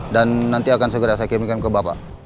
dan nanti akan segera saya kirimkan ke bapak